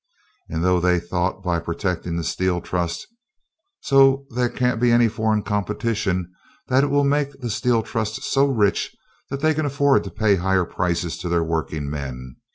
And they thought by protecting the Steel Trust, so there can't be any foreign competition that it will make the Steel Trust so rich that they can afford to pay high prices to their working men.